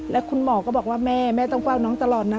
แล้วคุณหมอก็บอกว่าแม่แม่ต้องเฝ้าน้องตลอดนะ